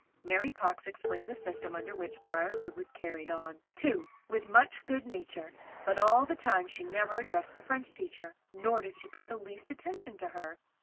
Mary Cox explained the system under which Briarwood was carried on, too, with much good nature; but all the time she never addressed the French teacher, nor did she pay the least attention to her.